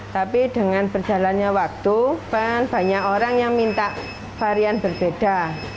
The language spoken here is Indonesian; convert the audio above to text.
tapi dengan berjalannya waktu banyak orang yang minta varian berbeda